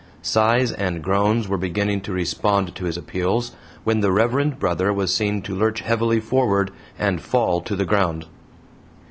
Sighs and groans were beginning to respond to his appeals, when the reverend brother was seen to lurch heavily forward and fall to the ground.